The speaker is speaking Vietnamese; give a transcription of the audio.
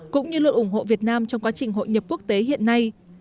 cũng như luôn ủng hộ việt nam trong quá trình hội nhập quốc tế hiện nay